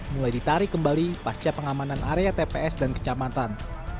mulai ditarik kembali pasca pengamanan area tps dan kecamatan